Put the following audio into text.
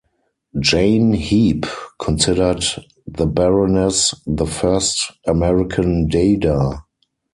Jane Heap considered the Baroness the first American dada.